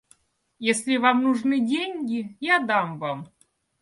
Если вам нужны деньги, я дам вам.